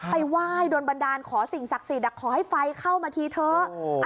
ไปไหว้โดนบันดาลขอสิ่งศักดิ์สิทธิ์ขอให้ไฟเข้ามาทีเถอะ